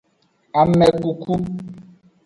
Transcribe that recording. Amekuku.